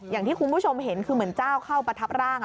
อย่างที่คุณผู้ชมเห็นคือเหมือนเจ้าเข้าประทับร่าง